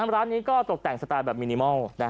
ร้านนี้ก็ตกแต่งสไตล์แบบมินิมอล